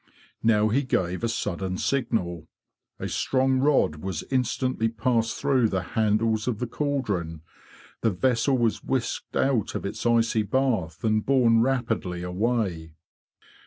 Now he gave a sudden signal. A strong rod was instantly passed through the handles of the caldron. The vessel was whisked out of its icy bath and borne rapidly away.